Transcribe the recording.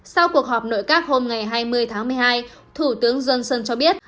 sau cuộc họp nội các hôm ngày hai mươi tháng một mươi hai thủ tướng johnson cho biết